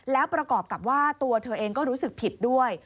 แล้วประกอบกับว่าตัวเธอเองก็รู้สึกผิดด้วย